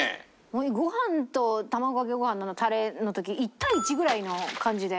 ご飯と卵かけご飯のタレの時１対１ぐらいの感じで。